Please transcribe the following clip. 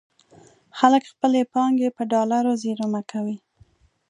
خلک خپلې پانګې په ډالرو زېرمه کوي.